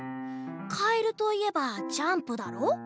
かえるといえばジャンプだろ？